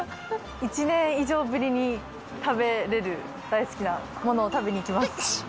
１年以上ぶりに食べれる大好きなものを食べに行きます。